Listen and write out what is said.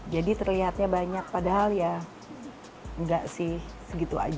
terlihatnya banyak padahal ya enggak sih segitu aja